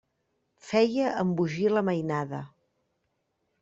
Feia embogir la mainada.